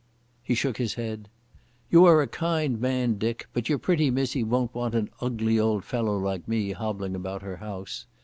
He shook his head. "You are a kind man, Dick, but your pretty mysie won't want an ugly old fellow like me hobbling about her house....